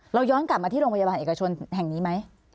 เราย้อนกลับมาที่โรงพยาบาลเอกชนแห่งนี้ไหม